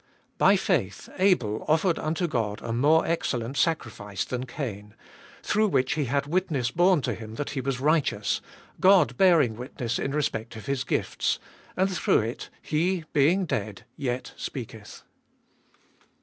By faith Abel offered unto God a more excellent sacrifice than Cain, through which he had witness borne to him that he was righteous, God bearing witness In respect of his gifts : and through it he being dead yet speaketh.